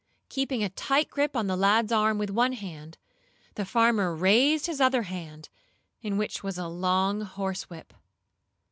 Keeping a tight grip on the lad's arm with one hand, the farmer raised his other hand, in which was a long horsewhip.